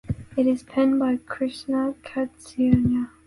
It is penned by Krishna Chaitanya.